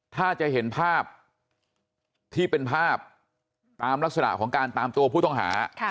ถ้าจะเห็นภาพที่เป็นภาพตามลักษณะของการตามตัวผู้ต้องหา